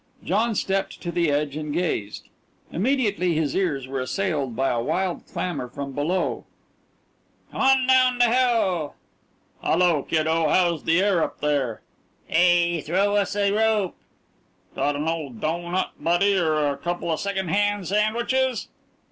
John stepped to the edge and gazed. Immediately his ears were assailed by a wild clamor from below. "Come on down to Hell!" "Hello, kiddo, how's the air up there?" "Hey! Throw us a rope!" "Got an old doughnut, Buddy, or a couple of second hand sandwiches?"